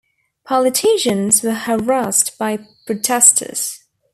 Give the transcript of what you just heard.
Politicians were harassed by protesters.